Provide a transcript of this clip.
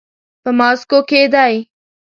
په ماسکو کې دی.